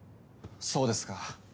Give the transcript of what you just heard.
そうですか。